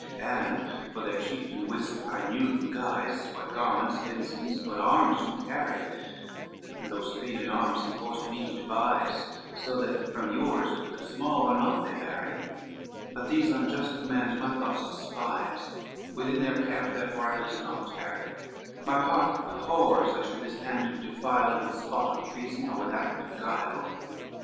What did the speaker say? LXXXIX "And for their chieftain wist I knew your guise, What garments, ensigns, and what arms you carry, Those feigned arms he forced me to devise, So that from yours but small or naught they vary; But these unjust commands my thoughts despise, Within their camp therefore I list not tarry, My heart abhors I should this hand defile With spot of treason, or with act of guile.